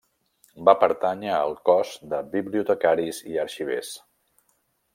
Va pertànyer al Cos de Bibliotecaris i Arxivers.